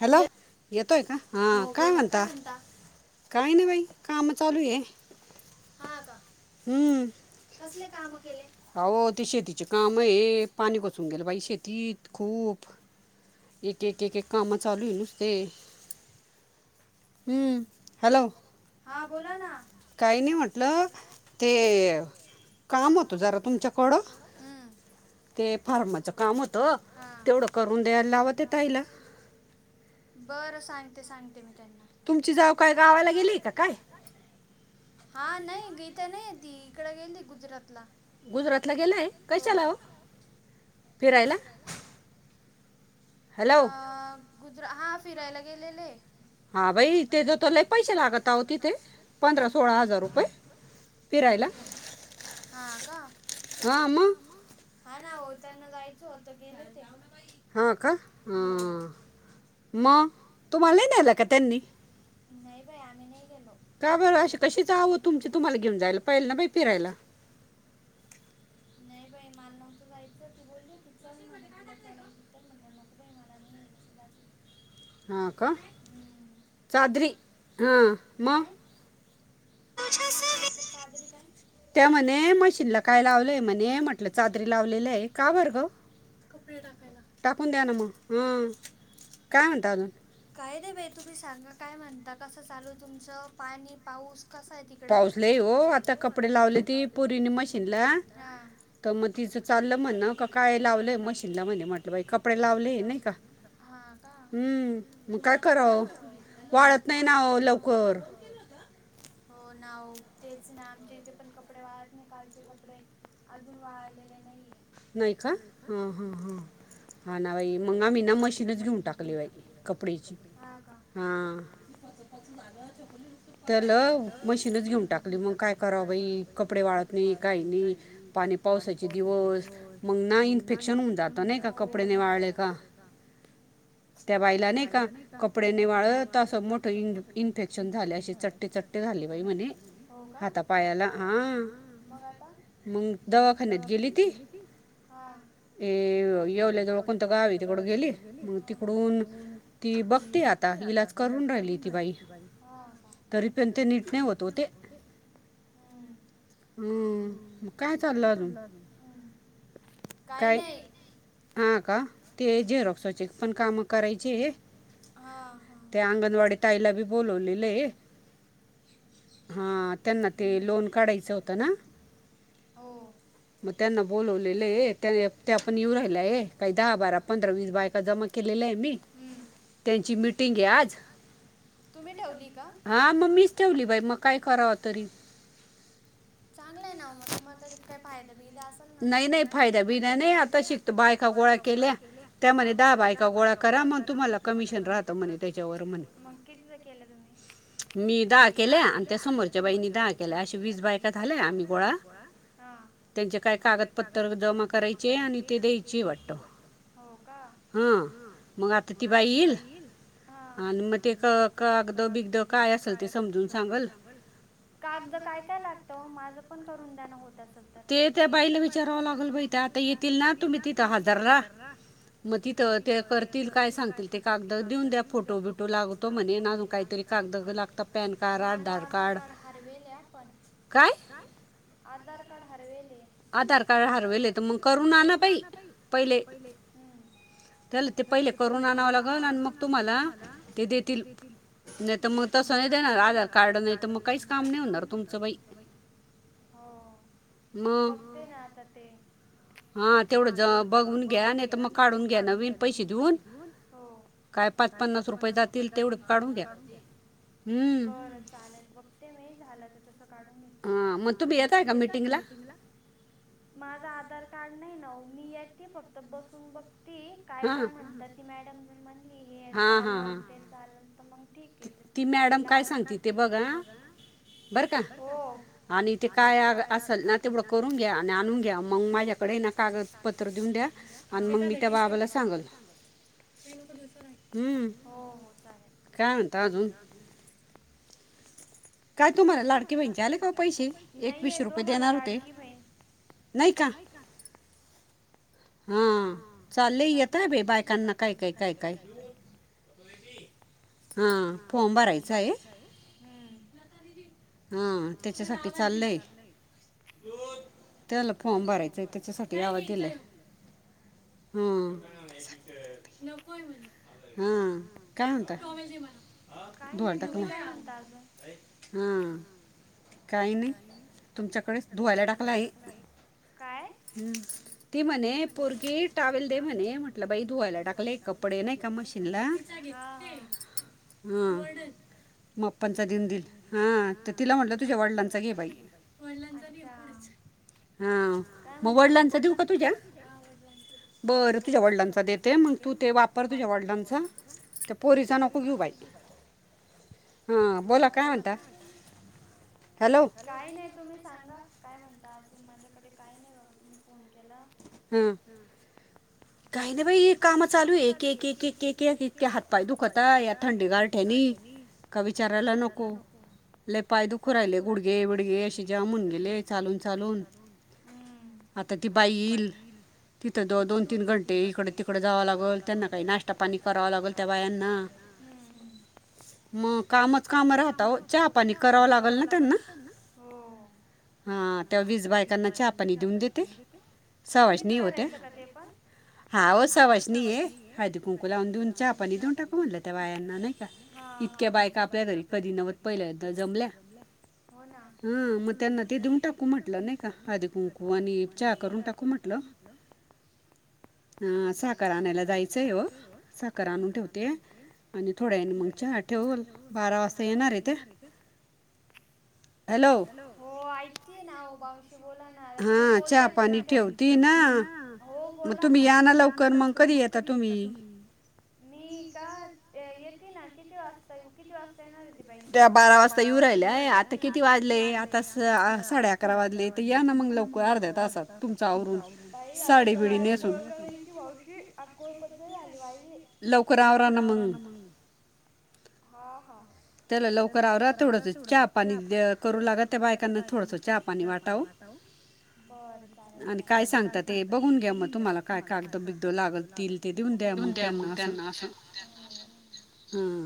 Hello, येतोय का, हा.. आ.. काय म्हणता. काय नाही बाई, काम चालू ये. हा, का. हम्म. कसले कामं केले, आ हो ते शेतीचे काम आहे पाणी कोसून गेलं बाई शेतीत. खूप एक एक एक एक कामं चालू ये. ते हॅलो हा बोला ना, काय नाही असलं ते ए काम होत जरा थोडं, थोडं ते फॉरमाचं काम होतं, तेवढं करून द्यायला लावते ताईला. बरं सांगते, सांगते मी त्यांना. तुमची जाऊ काय गावाला गेलीय काय हा नाही इथं नाही ती इकड गेली गुजरातला गेला चलाव फिरायला फिरायला अ.. अ- गुजरात अं.. हा, फिरायला गेलेले. हा बाई कितीतरी पैसे लागत आहेत, तिथे पंधरा सोळा हजार रुपये. फिरायला हा का, हा मग. हा ना हो त्यांना जायचं होत गेले ते हा का हा मग तुम्हाला नाही नेल का त्यांनी नाही बाई आम्ही नाही गेलो का बरं असशी कशीच हवं तुमची तुम्हाला घेऊन जायला पाहिल ना बाई फिरायला [inaudible] नाही बाई मला नव्हतं जायचं ती बोलली होती चल म्हणे तुला चलायचं तर म्हटलं नको बाई मला नाही यायचं जात [inaudible] हम्म काय सादर काय काय लावलंय म्हणे हे म्हटलं चादरी लावलेली आहे का बर गं टाकून द्या ना मग हं काय म्हणत अजून काय दे बाई तुम्ही सांगा काय म्हणता कसं चालू तुमचं पाणी पाऊस कसा आहे तिकड हो आता कपडे लावले ती पुरीने मग तर मग तिचं चाललं म्हण का काय लावलंय मशीनला म्हणे म्हटलं बाई कपडे लावले नाही का हा का हम् काय ख वाळत नाही ना लवकर हो ना हो तेच ना आमच्या येथे पण कपडे वाळ कालचे कपडे अजून वाळलेले नाहीे नाही का हा, हा, हा ह ना बाई मग आम्ही ना मशीनच घेऊन टाकली बाई कपडे हा त्याला मशीनच घेऊन टाकली मग काय करावं बाई कपडे वाळत नाही काही नाही पाणी पावसाचे दिवस मंगना इन्फेक्शन ह हो ना ओ त्या बाईला नाही का कपडे निवाळत असत मोठ इन्फेक्शन झाल्याशी चट झाली बा म्हणे हो का आात पायाला ह मग आता दवाखान्यात गेली की येवल्या जवळ कोणता गावी तिकडं गेली तिकडून ती बघते आता इलाज करून राहिली ती बाई ते नीट नाही होत हो ते हम्म मग काय चाल अजून ह काय हा का ते झेरॉक्स चे पण काम करायचे हे ते अंगणवाडी ताईला बोलवलेले हा त्यांना ते लोन काढायचं होतं ना मग त्यांना बोलवलेलं आहे त्या ते आपण येऊ राहिल आहे काही दहा, बारा, पंधरा, वीस बायका जमा केलेल्या आहे मी त्यांची मीटिंग आहे आज हा मग मीच ठेवली बाई मग काय करावं तरी चांगला आहे ना मग तुम्हाला त्याच्यात काय फायदा भी नाही, नाही फायदा भिना नाही आता शिक बायका गोळ्या केल्या त्यामध्ये दहा बायका गोळा करा मग तुम्हाला कमिशन राहत म्हणे त्याच्यावर किती केलं तुम्ही मी दहा केला आज समोरच्या बाईनी राहा केला अशी वीस बायका झाल्या आम्ही गोळा त्यांचे काय कागदपत्र जमा करायचे आणि ते द्यायचे वाटत हो का हा मग आती बा येल आणि म कागद बिद काय असलं ते समजून सांगल कागद काय काय लागत हो माझं पण करून द्याना होत असल. तर ते त्या बाईला विचारावं लागल बाई ते आता येतील ना तुम्ही तिथं हजार राहा. म तिथं ते करतील काय सांगतील ते कागद देऊन द्या फोटो बिटो लागतो म्हणे ना. माझे आधार कार्ड हरवेले पण काय, काय आधार कार्ड हरवेले आधार कार्ड हरवेले तर मग करून आण ना बाई पहिले झालं ते पहिले करून आणावं लागन आणि मग तुम्हाला ते देतील. नाही तर मग तस नाही देणार आधार कार्ड नाहीत म मग काहीच काम नाही होणार तुमच बाई हो बघते ना आता ते. हा तेवढं बघून घ्या आणि तर मग काढून घ्या नवीन पैसे देऊन. काय पाच पन्नास रुपये जातील तेवढंच काढून घ्या. बरं चालेल बघ ते मी झालं तर तस काढून घेते हा मग तुम्ही येताय का मीटिंगला? माझा आधार कार्ड नाही ना हो मी येते फक्त बसून बघती काय काय म्हणतात. ती मॅडम जर म्हणली हे चालल ते चालल तर मंग. ठीक आहे तर ती म्हणली. ला ती मॅडम काय सांगती ते बघा हा बरं हो आणि ते काय असेल ना तेवढं करून घ्या. आणि आणून द्या मंग माझ्याकडे ना कागदपत्र देऊन द्या. आणि मग मी त्या बाबाला सांगल हम्म हो हो चालेल. काय म्हणता आजून काय तुम्हाला लाडकीे बहीणचे आले का? पैसे एकवीसशे रुपये देणार होते. नाय का? हा चाले आहे येतेयं बे बायकांना काय काय काय काय? हा फॉम भरायचं आहे हा त्याच्यासाठी चाललंय त्याला फॉर्म भरायचंय त्याच्यासाठी आवाज दिलाय. हा.. हा काय म्हणताय धुवायला टाकला. हा.. टाइम-टाईमिंग तुमच्याकडे धुवायला टाकला आहे काय?? ह्म्म ती म्हणे पोरगी टावेल दे म्हणे म्हटलं बाई धुवायला टाकलंय. कपडे नाय का मशीनला हा मग अप्पांचा देऊन देईल हा तर तिला म्हटलं. तुझ्या वडलांचा घे बाई हा मग वडलांचा देऊ का तुझ्या? बरं तुझ्या वडिलांचा देते मंग तू ते वापर तुझ्या वडिलांचा. ते पोरीचा नको घेऊ बाई. हा बोला काय म्हणता? हॅलो काही नाही तुम्ही सांगा काय म्हणता अजून माझ्याकडे काही नाही बाबा तुम्ही फोन केला. हा काही नाही बाई कामं चालू आहे एक एक एक एक एक एक इतक्या हातपाय दुखत आहे ह्या थंडीगार ठेणी काय विचारायला नको लय पाय दुःख पाय दुःखू राहिले गुडघे बिडगे हि जाम म्हणळे गेले चालून चालून आता ती बाई हम्म् तिथं दो दोन तीन घंटे इकडे तिकडे जावं लागल. त्यांना काही नाश्ता पाणी करावं लागल त्या बायांना. मग कामच काम राहाता हो चहा पाणी करावं लागत करावा लागल ना त्यांना हो हा त्या वीस बायकांना चहा पाणी देऊन देते तुम्हीच करायचं का? ते पण हा हो सवाष्णी आहे हळदी कुंकू लावून देऊन चहा पाणी देऊन टाकू म्हणलं त्या बाया नां हा हा इतक्या बायका आपल्या घरी कधी नव्हत पहिल्या जमलं हो ना ह्म्म मग त्यांना ते देऊन टाकू म्हटलं नाही का आज मनी इच्छा करून टाकू म्हटलं हा साखर आणायला जायचंय हो. साखर आणून ठेवते आणि थोड्या वेळानी मंग चहा ठेव बारा वाजता येणार आहे ते. हो ऐकतीये ना हो बावशी बोला ना. [unintelligible] बोला ना तुम्ही या ना लवकर मग कधी येता तुम्ही? मी का येेते ना किती वाजता येऊ किती वाजता येणार ते बाई ज्या बाळा वासे आता येऊ राहिलाय आता किती वाजले आता सा साडे अकरा वाजले तर या ना मग लवकर अर्ध्यात [unintelligible] लवकर आवरा ना मंग. हा हा त्याला लवकर आवरत थोडसा चहा पाणी ग करू लागत आहे बायकांना थोडसा चहा पाणी वाटाव. बरं चालेल चालेल आणि काय सांगतात ते बघून घ्या मग तुम्हाला काय कागद बिगद लागल तिथून द्या मग त्यांना असं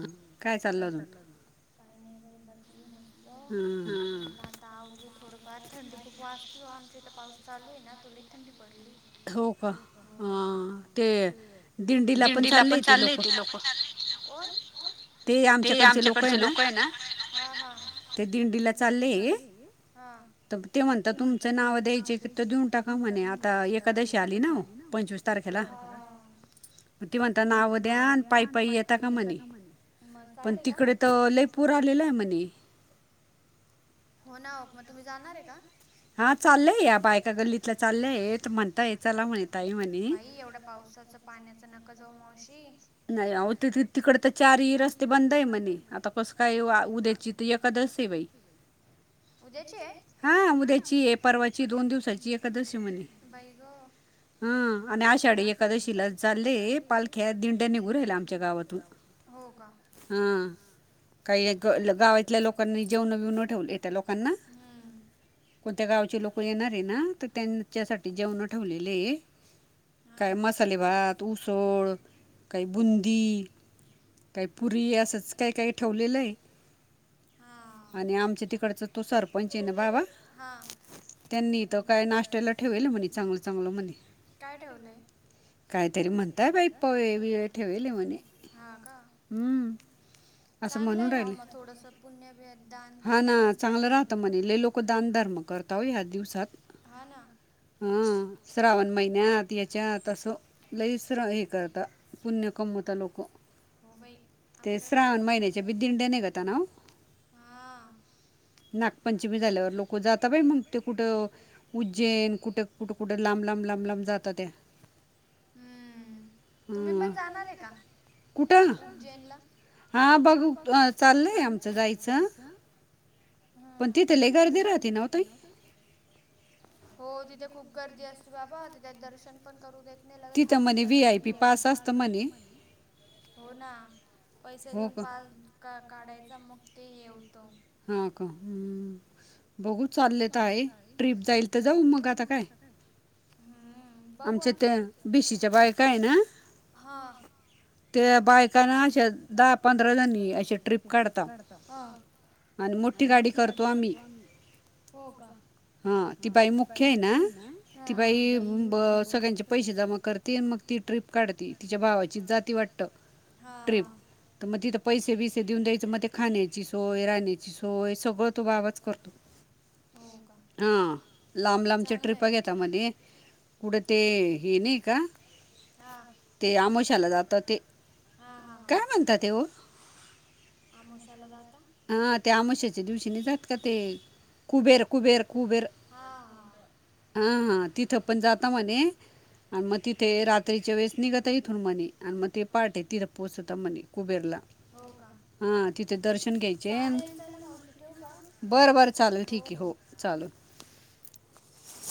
हा काय चाललं काही नाही बाई बसलो [unintelligible] हम्म. तावरू थोडंफार थंडी खूप वास्ती हो आमचे इथं पाऊस चालू आहे ना थोडी थंडी पडली. दिंडीला पण चालले ते लोकं. ते आमच्याकडचे लोकं आहे ना दिंडीला चालले हा. ते म्हणता तुमचं नाव द्यायचे की ते देऊन टाका म्हणे आता एखकादशी आली ना. पंच्या तारखेला ती म्हणता नाव द्या आणि पाय पाय येत का म्हणे. म चालले का? राहलेला आहे म्हणे. फोना ओ म तुम्ही जाणार आहे का? हा चालय या बायका गल्लीतला चाललेयेत आहे म्हणताय चला म्हणे ताई म्हणे. पावसाचं पाण्याचा नका जावं मावशी. नाही आव ते ति तिकडं तर चार ही रस्ते बंद आहे म्हणे आता कसं काय व उद्याची ती एक ती एकादशी बाई उद्याची आहे उद्याची आहे परवाची दोन दिवसाची एखादशी बाई गं. हा आणि आषाढी एकादशीला चालले पालख्या दिंड्या निघू राहिलय आमच्या गावातून हा. काही एक ल गावातल्या लोकांनाही जेवणं विवनं ठेवलेया त्या लोकांना. कोणत्या गावचे लोकं येणार आहे ना तर त्यांच्यासाठी जेवणं ठेवलेले. काय मसाले भात, उसळ काही बुंदी, काही पुरी असंच काही काही ठेवलेलं आहे. हां. हा. काय ठेवलंय? काहीतरी म्हणताय बाई पोवे बीवे हा का? चांगलं आहे हो ना मग थोडसं पुण्यभेद दान हा ना चांगलं राहतं म्हणे लई लोकं दान धर्म करतात हो ह्या दिवसात. हा ना. हहां श्रावण महिन्यात याच्यात असं लईसर हे करता. पुण्य कमवता लोकं. हो बाई आपल्या इकडनं हा. नागपंचमी झाल्यावर लोकं जाता बाई मग ते कुठं उज्जैन कुठं कुठे कुठे लांब लांब लांब लांब जात होत्या. हम्म तुम्ही पण जाणार आहे का उजैनला? हा बघू चाललय आमचं जायचं. हा पण तिथ लय गर्दीे राहते ना. हो तिथे खूप गर्दी असते बाबा तिथे दर्शन पण करू देत नाही लगेच हा कॉल करणे वि आई पी पास असत मले हो ना. पैसे देऊन पास का काढायचा मग ते हे होतं. हां का हम्म. बघू चालले तर आहे ट्रिप जाईल तर जाऊ मग आता काय. हम्म बघवा हा. त्या ते ट्रिप काढता हा. आणि मोठी गाडी करतो आम्ही हो का.? हा ती बाई मुख्य आहे ना ती बाई ब सगळ्यांचे पैसे जमा करते मग ती ट्रीप. काढती तिच्या भावाची जात ती वाटत ट्रिप तर मग तिथ पैसे बिसे देऊन द्यायचं मग ते खाण्याची सोय राहणे. त्याची सोय सगळं तो बाबाच करतो. हो का चांगलं आहे ना. ते हा. हा हा हा आमोवस्या त्या आमोशाच्या दिवशीने जात का ते कुबेर कुबेर कुबेर. हां हां. हा हा तिथं पण जाता म्हणे आणि मग तिथे रात्रीच्या वेळेस निघ ता इथून मणे आणि मग ते पार्ट आहे तिथ पोचत म्हणे कुबेरला. हो का चालेल चला मावशी ठेव का हो हो. चालू.